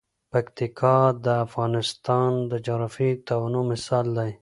پکتیکا د افغانستان د جغرافیوي تنوع مثال دی.